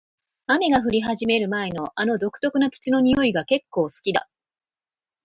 雨が降り始める前の、あの独特な土の匂いが結構好きだ。